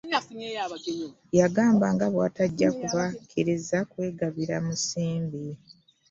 Yagamba nga bw'atajja kubakkiriza kwegabira musimbi awamu n'emmotoka.